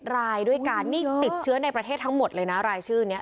รายด้วยกันนี่ติดเชื้อในประเทศทั้งหมดเลยนะรายชื่อนี้